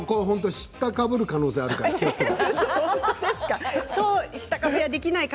知ったかぶる可能性があるから気をつけなくてはいけない。